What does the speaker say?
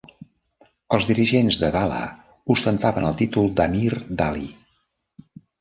Els dirigents de Dhala ostentaven el títol d'"Amir Dali".